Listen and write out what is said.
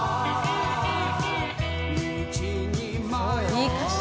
いい歌詞。